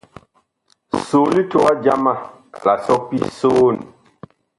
So litowa jama la sɔpi soon.